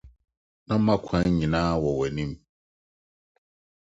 na m’akwan nyinaa wɔ w’anim.